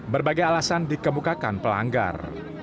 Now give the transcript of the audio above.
berbagai alasan dikemukakan pelanggar